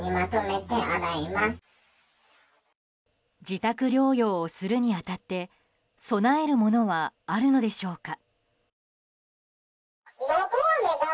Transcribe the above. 自宅療養をするに当たって備えるものはあるのでしょうか。